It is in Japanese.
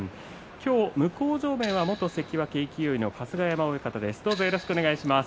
向正面は元関脇勢の春日山親方です。